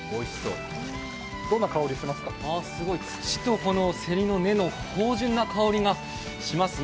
すごい、土とせりの根の芳じゅんな香りがします。